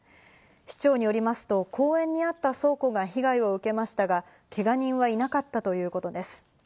市長によりますと、公園にあった倉庫が被害を受けましたが、けが人はいなかったということです。